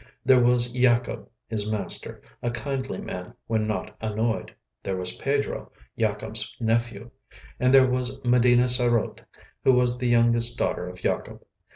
There was Yacob, his master, a kindly man when not annoyed; there was Pedro, Yacob's nephew; and there was Medina sarote, who was the youngest daughter of Yacob.